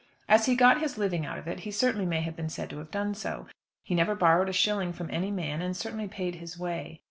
As he got his living out of it, he certainly may have been said to have done so. He never borrowed a shilling from any man, and certainly paid his way.